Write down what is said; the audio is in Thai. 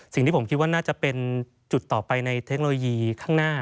สิ่งที่ผมคิดว่าน่าจะเป็นจุดต่อไปในเทคโนโลยีข้างหน้า